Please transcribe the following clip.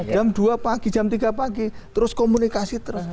jam dua pagi jam tiga pagi terus komunikasi terus